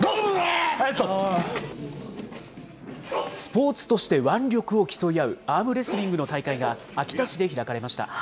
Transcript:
スポーツとして腕力を競い合うアームレスリングの大会が秋田市で開かれました。